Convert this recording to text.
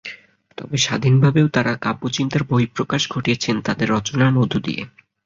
তবে স্বাধীনভাবেও তাঁরা কাব্যচিন্তার বহিঃপ্রকাশ ঘটিয়েছেন তাঁদের রচনার মধ্য দিয়ে।